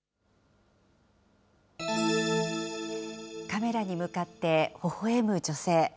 カメラに向かってほほえむ女性。